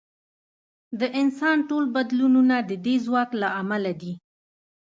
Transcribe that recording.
د انسان ټول بدلونونه د دې ځواک له امله دي.